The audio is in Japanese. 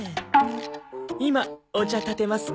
今お茶たてますね。